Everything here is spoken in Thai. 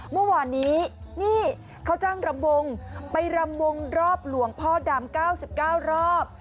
เมื่อวานนี้นี่เขาจ้างรำวงไปรำวงรอบหลวงพ่อดำ๙๙รอบ